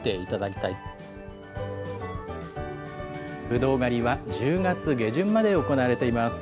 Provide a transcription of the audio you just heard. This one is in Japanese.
ぶどう狩りは１０月下旬まで行われています。